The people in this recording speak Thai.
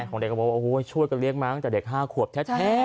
ของเด็กก็บอกว่าช่วยก็เรียกมากแต่เด็ก๕ขวบแท้